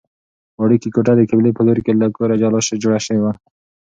وړوکې کوټه د قبلې په لور له کوره جلا جوړه شوې ده.